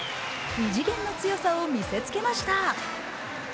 異次元の強さを見せつけました。